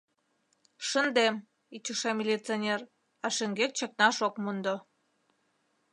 — Шындем! — ӱчаша милиционер, а шеҥгек чакнаш ок мондо.